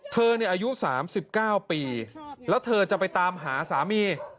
เธออายุ๓๙ปีแล้วเธอจะไปตามหาสามี